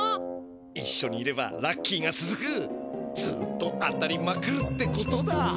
いっしょにいればラッキーがつづくずっと当たりまくるってことだ。